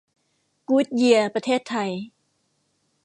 กู๊ดเยียร์ประเทศไทย